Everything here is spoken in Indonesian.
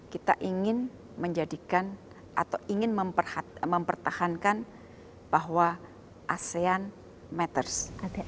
kita ingin menjadikan atau ingin mempertahankan bahwa asean matters